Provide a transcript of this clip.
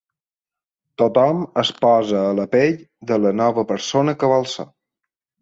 Tothom es posa a la pell de la nova persona que vol ser.